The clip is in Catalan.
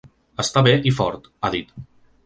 Està bé i fort, ha dit.